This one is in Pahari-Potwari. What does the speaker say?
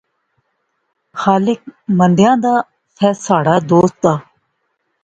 خالق مندیاں دا فہ ساڑھا دوست دا